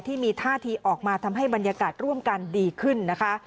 ที่มีท่าทีออกมาทำให้บรรยากาศร่วมกันดีขึ้นนะคะ